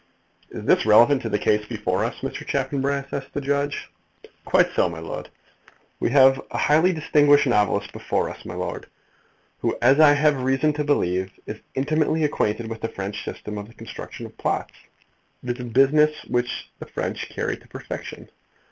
"Is this relevant to the case before us, Mr. Chaffanbrass?" asked the judge. "Quite so, my lud. We have a highly distinguished novelist before us, my lud, who, as I have reason to believe, is intimately acquainted with the French system of the construction of plots. It is a business which the French carry to perfection.